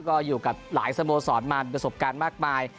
ก็อยู่กับหลายสโมสรมาประสบการณ์มากมาย